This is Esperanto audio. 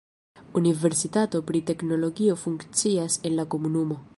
Universitato pri teknologio funkcias en la komunumo.